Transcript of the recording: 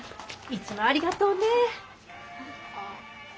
いつもありがとうね。